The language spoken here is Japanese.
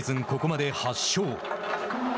ここまで８勝。